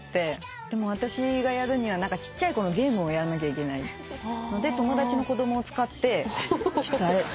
でも私がやるにはちっちゃい子のゲームをやらなきゃいけないので友達の子供を使ってあれ取ってきてっつって。